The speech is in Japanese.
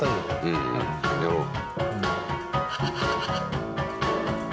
うんやろう。